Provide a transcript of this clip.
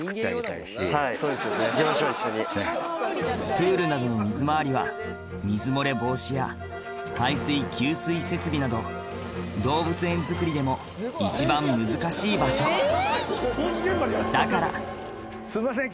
プールなどの水回りは水漏れ防止や排水給水設備など動物園づくりでも一番難しい場所だからすいません